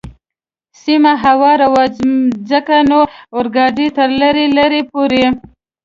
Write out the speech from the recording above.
سیمه هواره وه، ځکه نو اورګاډی تر لرې لرې پورې.